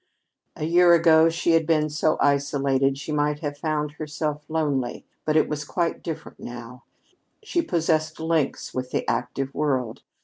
A year ago, had she been so isolated, she might have found herself lonely, but it was quite different now. She possessed links with the active world.